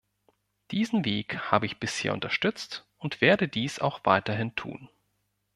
Diesen Weg habe ich bisher unterstützt und werde dies auch weiterhin tun.